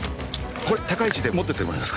これ高い位置で持っててもらえますか？